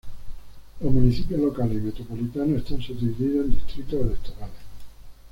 Los municipios locales y metropolitanos están subdivididas en distritos electorales.